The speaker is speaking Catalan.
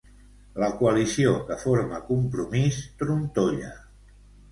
La coalició que forma Compromís trontolla.